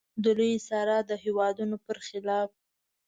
د لویې صحرا د هېوادونو پر خلاف.